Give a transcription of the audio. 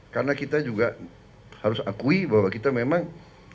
karena kita juga harus akui bahwa kita memang